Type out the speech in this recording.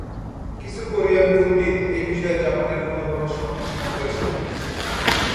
কিছু কোরিয়ান পণ্ডিত এই বিষয়ে জাপানের মনোভাবের সমালোচনা করেছেন।